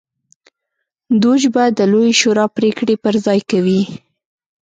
دوج به د لویې شورا پرېکړې پر ځای کوي